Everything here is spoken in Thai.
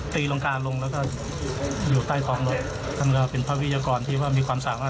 ลงกลางลงแล้วก็อยู่ใต้ท้องรถท่านก็เป็นพระวิทยากรที่ว่ามีความสามารถ